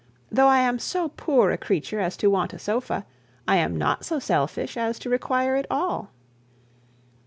Though I am so poor a creature as to want a sofa, I am not so selfish as to require it all.'